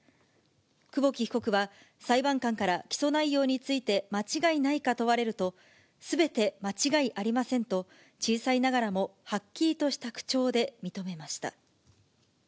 久保木被告は裁判官から起訴内容について間違いないか問われると、すべて間違いありませんと、小さいながらもはっきりとした口調で認めました。